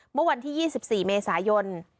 เมื่อวันที่๒๔เมษายน